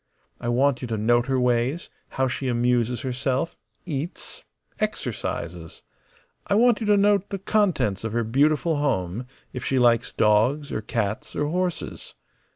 I want you to note her ways, how she amuses herself, eats, exercises. I want you to note the contents of her beautiful home; if she likes dogs or cats or horses.